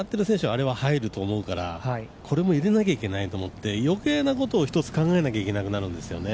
あれは入ると思うからこれも入れなきゃいけないと思って、余計なことを一つ考えなきゃいけなくなるんですよね。